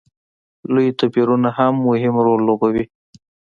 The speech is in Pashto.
لوی توپیرونه هم مهم رول لوبوي.